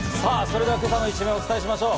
今朝の一面、お伝えしましょう。